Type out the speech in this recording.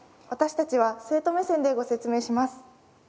私たちは生徒目線でご説明します。